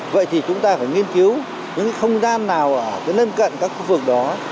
vậy thì chúng ta phải nghiên cứu những không gian nào ở tới lên cận các khu vực đó